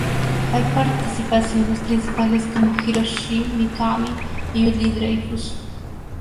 Hay participaciones principales como Hiroshi Mikami y Julie Dreyfus.